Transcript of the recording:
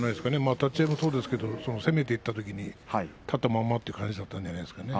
立ち合いもそうですけれども攻めていったときに、立ったままということじゃないですかね。